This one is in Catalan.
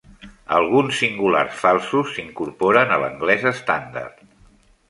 Alguns singulars falsos s'incorporen a l'anglès estàndard.